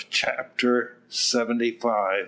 CHAPTER SEVENTY SIX.